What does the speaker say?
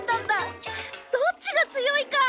どっちが強いか！